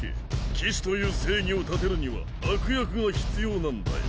騎士という正義を立てるには悪役が必要なんだよ。